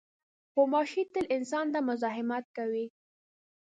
غوماشې تل انسان ته مزاحمت کوي.